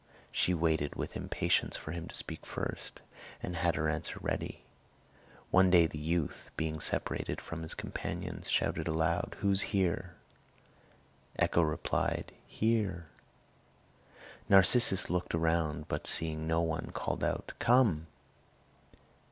She waited with impatience for him to speak first, and had her answer ready. One day the youth, being separated from his companions, shouted aloud, "Who's here?" Echo replied, "Here." Narcissus looked around, but seeing no one called out, "Come."